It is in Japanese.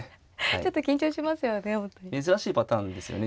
ちょっと緊張しますよね